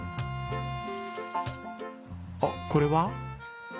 あっこれは？